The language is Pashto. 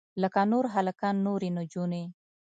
لکه نور هلکان نورې نجونې.